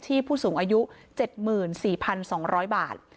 ผู้สูงอายุ๗๔๒๐๐บาท